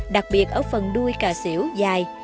đặc biệt ở phần đuôi cà xỉu dài